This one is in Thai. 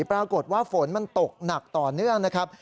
ปรากฏว่าฝนมันตกหนักต่อเนื่องนะครับ